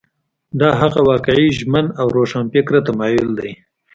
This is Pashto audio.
دا هغه واقعي ژمن او روښانفکره تمایل دی.